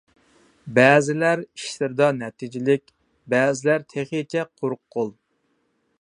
بەزىلەر ئىشلىرىدا نەتىجىلىك، بەزىلەر تېخىچە قۇرۇق قول.